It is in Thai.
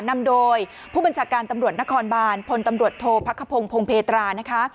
นำโดยผู้บัญชาการตำรวจนครบานพลตำรวจโทษพักขพงพงเพตรานะคะ